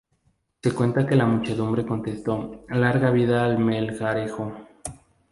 Se cuenta que la muchedumbre contestó: ""¡Larga vida a Melgarejo!